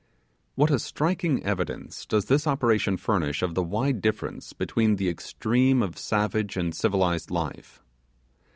What a striking evidence does this operation furnish of the wide difference between the extreme of savage and civilized life.